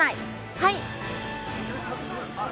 はい。